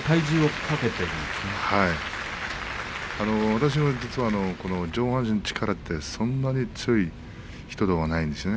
私も実は上半身の力はそれほど強い人ではないんですよね。